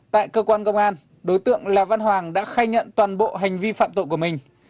tại cơ quan công an đối tượng lò văn hoàng đã khai nhận toàn bộ hành vi phạm tội của mình